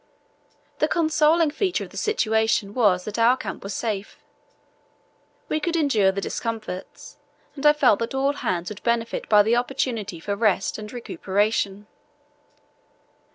The consoling feature of the situation was that our camp was safe. We could endure the discomforts, and I felt that all hands would be benefited by the opportunity for rest and recuperation.